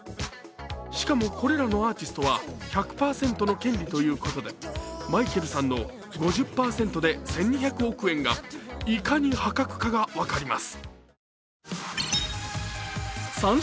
しかも、これらのアーティストは１００％の権利ということでマイケルさんの５０％で１２００億円がいかに破格かが分かります。